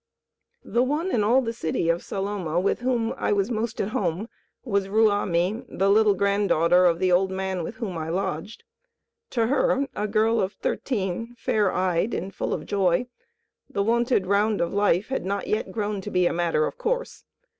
The one in all the city of Saloma with whom was most at home was Ruamie, the little granddaughter of the old man with whom I lodged. To her, a girl of thirteen, fair eyed and full of joy, the wonted round of life had not yet grown to be a matter of course.